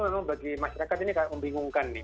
memang bagi masyarakat ini membingungkan nih